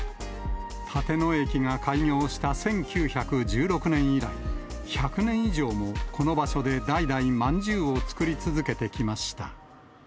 立野駅が開業した１９１６年以来、１００年以上もこの場所で代々、まんじゅうを作り続けてきました。